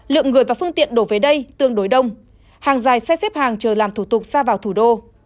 lượng người và phương tiện đổ về đây tương đối đông hàng dài xe xếp hàng chờ làm thủ tục xa vào thủ đô